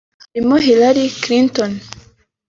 harimo Hillary Clinton